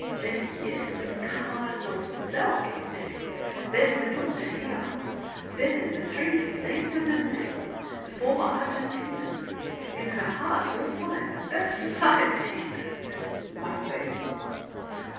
] Then, yes, the Cardinal himself came next, Then little D'Effiat, then the three Sainte Mesmes, The four Argenteans! In her heart you'll find The best society. [Laughing.